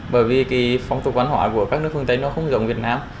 bởi vì cái phong tục văn hóa của các nước phương tây nó không giống việt nam